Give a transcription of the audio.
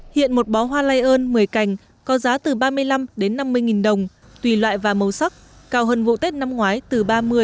hiện một bó hoa lai ơn một mươi cành có giá từ ba mươi năm năm mươi nghìn đồng tùy loại và màu sắc cao hơn vụ tết năm ngoái từ ba mươi năm mươi